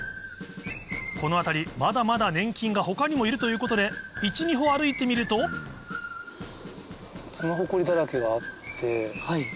この辺りまだまだ粘菌が他にもいるということで１２歩歩いてみるとツノホコリだらけがあって。